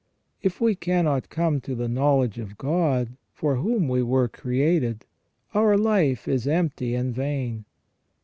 If we cannot come to the knowledge of God, for whom we were created, our life is empty and vain.